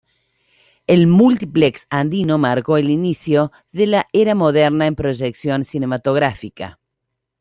El Multiplex Andino marcó el inicio de la era moderna en proyección cinematográfica.